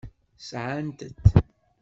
Sɛant-t.